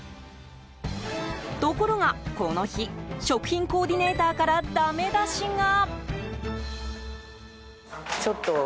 ところが、この日食品コーディネーターからダメ出しが。